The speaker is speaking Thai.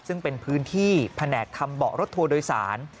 ซึ่งเป็นพื้นที่แผนกทำเบาะรถทัวร์โดยสาร